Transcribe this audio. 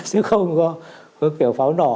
chứ không có kiểu pháo nổ